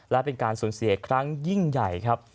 และเป็นการสูญเสียครั้งยิ่งใหญ่ครับ